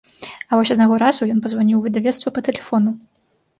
А вось аднаго разу ён пазваніў у выдавецтва па тэлефону.